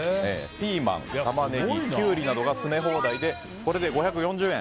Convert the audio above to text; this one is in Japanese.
ピーマン、タマネギキュウリなどが詰め放題でこれで５４０円。